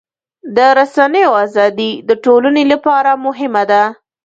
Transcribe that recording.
د رسنیو ازادي د ټولنې لپاره مهمه ده.